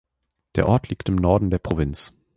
Der Ort liegt im Norden der Provinz.